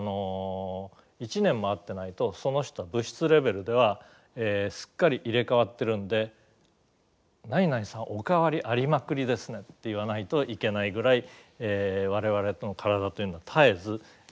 １年も会ってないとその人は物質レベルではすっかり入れ代わってるんで「何々さんお変わりありまくりですね」って言わないといけないぐらい我々の体というのは絶えず入れ代わってるわけなんです。